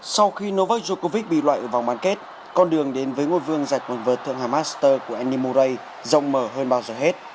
sau khi novak djokovic bị loại ở vòng bán kết con đường đến với ngôi vương dạy quần vợt thượng hàm master của andy murray rộng mở hơn bao giờ hết